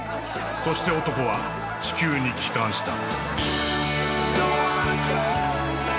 ［そして男は地球に帰還した］